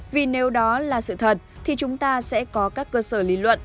vì nếu đó là sự thật thì chúng ta sẽ có các cơ sở lý luận